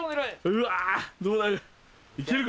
うわどうなる？